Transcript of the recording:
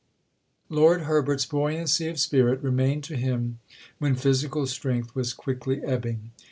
Lord Herbert's buoyancy of spirit remained to him when physical strength was quickly ebbing.